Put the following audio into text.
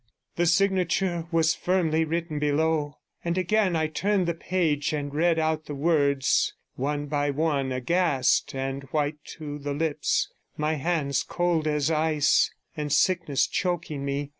The signature was firmly written below, and again I turned the page and read out the words one by one, aghast and white to the lips, my hands cold as ice, and sickness choking me.